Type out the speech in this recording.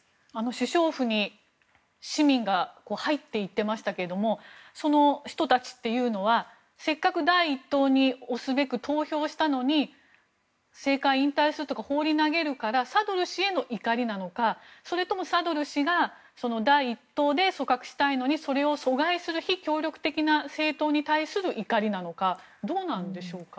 首相府に市民が入って行っていましたがその人たちはせっかく第一党に推すべく投票したのに政界引退するとか放り投げるからサドル師への怒りなのかそれとも、サドル師が第一党で、組閣したいのにそれを阻害する非協力的な政党に対する怒りなのかどうなんでしょうか。